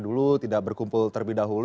dulu tidak berkumpul terlebih dahulu